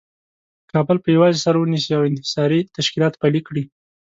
کابل په یوازې سر ونیسي او انحصاري تشکیلات پلي کړي.